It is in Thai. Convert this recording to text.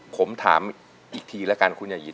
ผมถามอีกทีแล้วกันคุณอย่ายิน